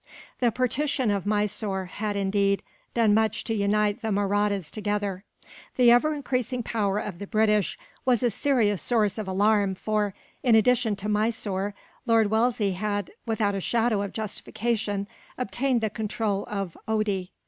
The partition of Mysore had, indeed, done much to unite the Mahrattas together. The ever increasing power of the British was a serious source of alarm for, in addition to Mysore, Lord Wellesley had, without a shadow of justification, obtained the control of Oude.